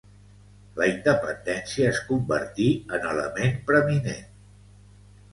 La independència es convertí en element preminent